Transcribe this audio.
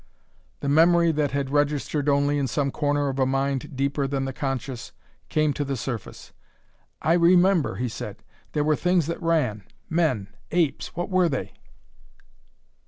The memory that had registered only in some corner of a mind deeper than the conscious, came to the surface. "I remember," he said. "There were things that ran men apes what were they?"